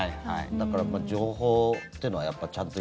だから情報っていうのはちゃんと。